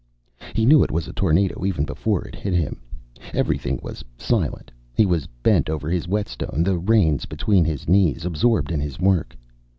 He knew it was a tornado even before it hit him. Everything was silent. He was bent over his whetstone, the reins between his knees, absorbed in his work.